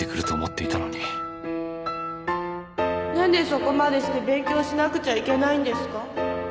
何でそこまでして勉強しなくちゃいけないんですか？